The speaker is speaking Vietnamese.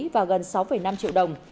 và gần sáu năm triệu đồng